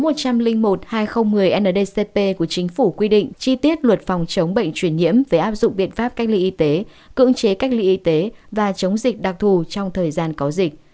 điều một trăm linh một hai nghìn một mươi ndcp của chính phủ quy định chi tiết luật phòng chống bệnh truyền nhiễm về áp dụng biện pháp cách ly y tế cưỡng chế cách ly y tế và chống dịch đặc thù trong thời gian có dịch